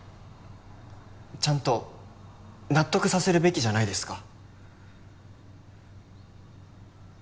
ちゃんと納得させるべきじゃないですか？